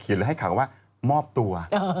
เขียนหรือให้ข่าวว่ามอบตัว